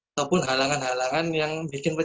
ataupun halangan halangan yang bikin